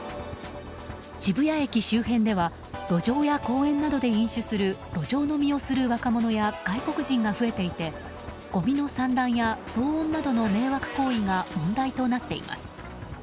渋谷駅周辺では路上や公園などで飲酒する路上飲みをする若者や外国人が増えていてごみの散乱や騒音などの迷惑行為が問題となっています。